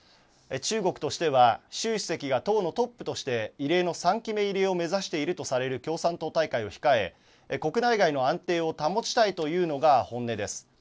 中国としては習主席が党のトップとして異例の３期目入りを目指しているとされる共産党大会を控え国内外の安定を保ちたいというのが本音です。